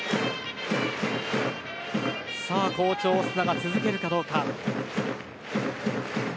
好調、オスナが続けるかどうか。